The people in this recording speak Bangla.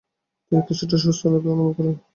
তিনি কিছুটা সুস্থতা অনুভব করেন।